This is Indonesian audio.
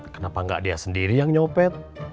kenapa enggak dia sendiri yang nyopet